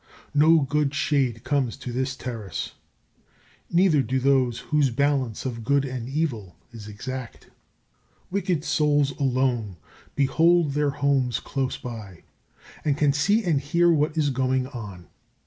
No good shade comes to this Terrace; neither do those whose balance of good and evil is exact. Wicked souls alone behold their homes close by and can see and hear what is going on.